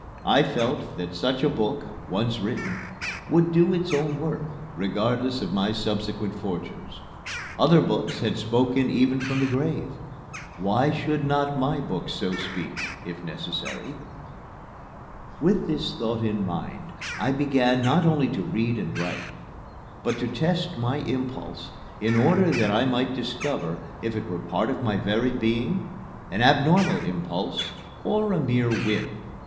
I felt that such a book, once written, would do its own work, regardless of my subsequent fortunes. Other books had spoken even from the grave; why should not my book so speak if necessary? With this thought in mind I began not only to read and write, but to test my impulse in order that I might discover if it were a part of my very being, an abnormal impulse, or a mere whim.